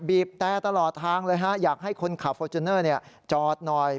แตรตลอดทางเลยฮะอยากให้คนขับฟอร์จูเนอร์จอดหน่อย